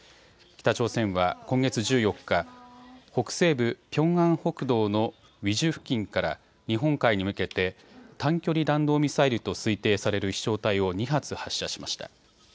北朝鮮は今月１４日、北西部ピョンアン北道のウィジュ付近から日本海に向けて短距離弾道ミサイルと推定される飛しょう体を２発発射しました。